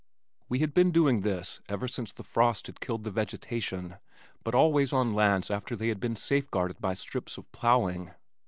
We had been doing this ever since the frost had killed the vegetation but always on lands after they had been safeguarded by strips of plowing.